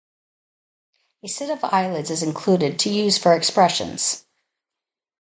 A set of eyelids is included to use for expressions.